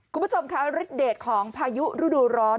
คุณผู้ชมคะฤทธเดทของพายุฤดูร้อน